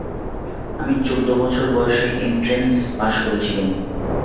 আমি চোদ্দ বছর বয়সে এনট্রেন্স পাস করেছিলুম।